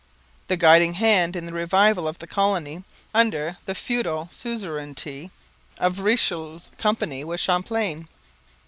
The guiding hand in the revival of the colony, under the feudal suzerainty of Richelieu's company, was Champlain.